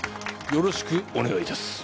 よろしくお願いいたす。